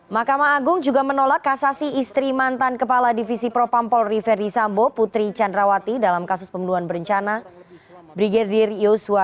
mahkamah agung juga menolak kasasi istri mantan kepala divisi propam polri verdi sambo putri candrawati dalam kasus pembunuhan berencana brigadir yosua